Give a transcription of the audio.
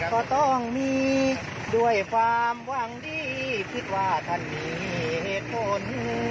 ก็ต้องมีด้วยความหวังดีพิษว่าท่านมีควร